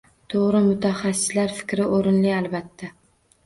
To‘g‘ri, mutaxassislar fikri o‘rinli, albatta.